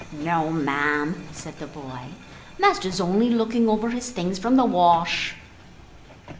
"No, ma'am," said the boy, "master's only looking over his things from the wash."